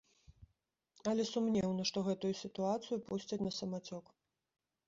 Але сумнеўна, што гэтую сітуацыю пусцяць на самацёк.